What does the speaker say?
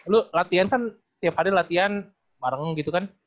lu latihan kan tiap hari latihan bareng gitu kan